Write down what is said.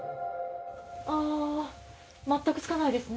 全くつかないですね。